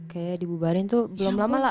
kayak dibubarin tuh belum lama lah